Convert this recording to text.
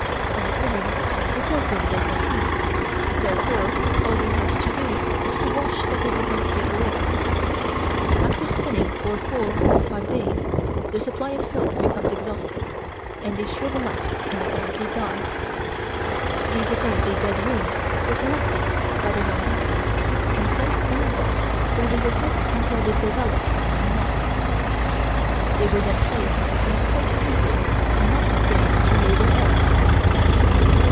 When spinning the silkworm does not eat, therefore all we had to do was to watch that they did not get away. After spinning for four or five days their supply of silk becomes exhausted and they shrivel up and apparently die. These apparently dead worms were collected by the Young Empress and placed in a box where they were kept until they developed into moths. They were then placed on thick paper and left there to lay their eggs.